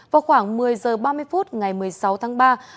vào khoảng một mươi h ba mươi phút ngày một mươi sáu tháng ba